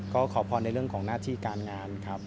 ก็ขอพรในเรื่องของหน้าที่การงานครับ